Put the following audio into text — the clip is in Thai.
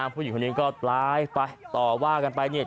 ผู้หญิงคนนี้ก็ต่อว่ากันไป